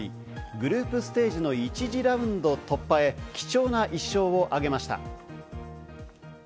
グループステージの１次ラウンド突破へ、貴重な１勝を挙げました。